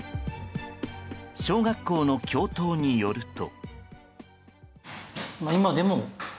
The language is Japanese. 小学校の教頭によると。